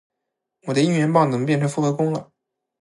我的应援棒怎么变成复合弓了？